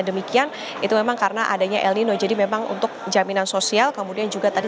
demikian itu memang karena adanya el nino jadi memang untuk jaminan sosial kemudian juga tadi